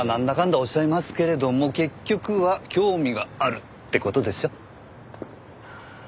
おっしゃいますけれども結局は興味があるって事でしょ？